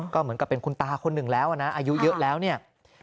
ก็เหมือนกับเป็นคุณตาคนหนึ่งแล้วนะอายุเยอะแล้วเนี่ย